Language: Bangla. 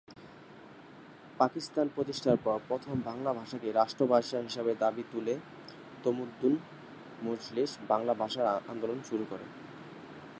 পাকিস্তান প্রতিষ্ঠার পর প্রথম বাংলা ভাষাকে রাষ্ট্রভাষা হিসেবে দাবি তুলে তমদ্দুন মজলিস বাংলা ভাষা আন্দোলন শুরু করে।